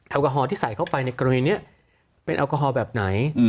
แอลกอฮอล์ที่ใส่เข้าไปในกรณีนี้เป็นแอลกอฮอลแบบไหน